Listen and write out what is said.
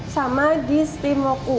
sama di steamwoku